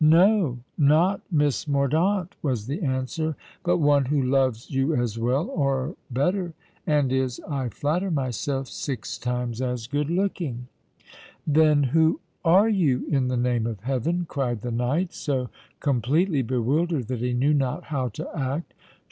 "No—not Miss Mordaunt," was the answer: "but one who loves you as well—or better—and is, I flatter myself, six times as good looking." "Then who are you, in the name of heaven?" cried the knight, so completely bewildered that he knew not how to act.